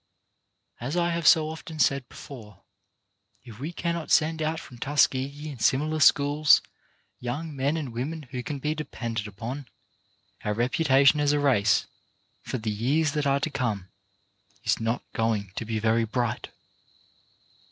As I have so often said before, if we cannot send out from Tuskegee and similar schools young men and women who can be depended KEEPING YOUR WORD i 39 upon, our reputation as a race, for the years that are to come, is not going to be very bright.